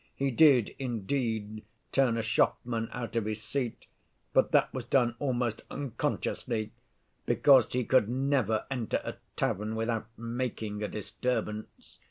He did indeed turn a shopman out of his seat, but that was done almost unconsciously, because he could never enter a tavern without making a disturbance.